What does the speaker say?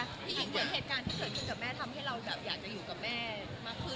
ผู้หญิงเห็นเหตุการณ์ที่เกิดขึ้นกับแม่ทำให้เราแบบอยากจะอยู่กับแม่มากขึ้น